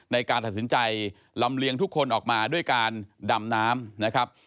ในการตัดสินใจลำเลียงทุกคนออกมาด้วยการดำน้ำนะครับ